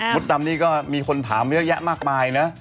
ดำนี่ก็มีคนถามเยอะแยะมากมายนะ